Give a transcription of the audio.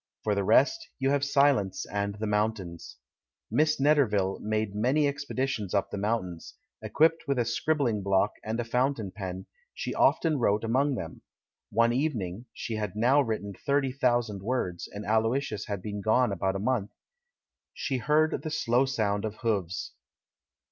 For the rest, you have silence and the mountains. Miss Netterville made majiy expeditions up the mountains; equipped with a scribbling block and a fountain pen, she often wrote among them. One evening — she had now written thirty thou sand words, and Aloysius had been gone about a month — she heard the slow sound of hoofs.